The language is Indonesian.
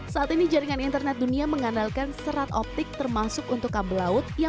saat ini jaringan internet dunia mengandalkan serat optik termasuk untuk kabel laut